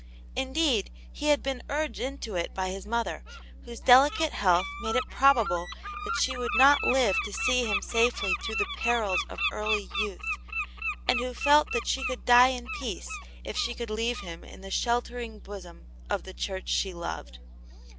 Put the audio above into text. Indeed, he had been urged into it by his mother, whose delicate health made it probable that she would not live to see him safely through the perils of early youth, and who felt that she could die in peace if she could leave him in the sheltering bosom of the Church she loved.